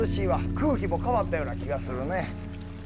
空気も変わったような気がするね。